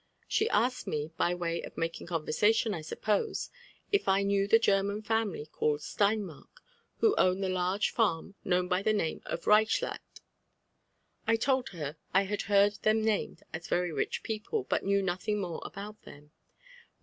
She asked me, by way of makmg conversa^ tion, I suppose, if I knew the German family called Sleinmark, who own the large farm known by the name of Reiehland. I told her I bad heard them named as very rich people, but knew nothing more about them.